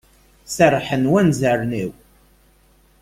Serrḥen wanzaren-iw.